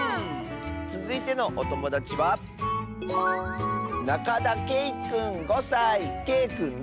つづいてのおともだちはけいくんの。